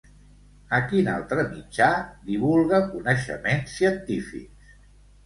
A quin altre mitjà divulga coneixements científics?